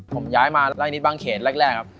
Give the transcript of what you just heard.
ผมย้ายมาไล่นิดบางเขตแรกครับ